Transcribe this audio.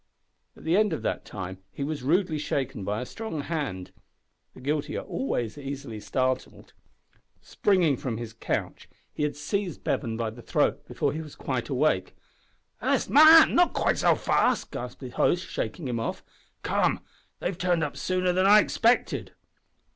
At the end of that time he was rudely shaken by a strong hand. The guilty are always easily startled. Springing from his couch he had seized Bevan by the throat before he was quite awake. "Hist! man, not quite so fast" gasped his host shaking him off. "Come, they've turned up sooner than I expected."